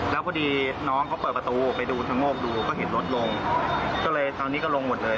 แล้วพอดีน้องเขาเปิดประตูไปดูชะโงกดูก็เห็นรถลงก็เลยตอนนี้ก็ลงหมดเลย